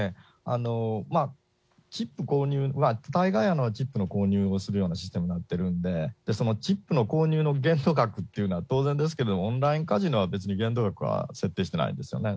チップ購入、大概チップの購入をするようなシステムになってるんで、そのチップの購入の限度額っていうのは、当然ですけれども、オンラインカジノは別に限度額は設定してないんですよね。